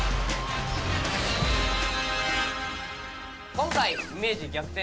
今回イメージ逆転